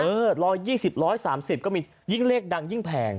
๑๒๐๑๓๐ก็มียิ่งเลขดังยิ่งแพง